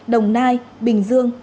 đồng nai bình dương